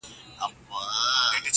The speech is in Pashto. غووي غيڼ وکړې، سوکان څټ وخوړل.